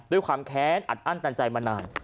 ด้วยความแค้นอัดอั้นตันใจมานาน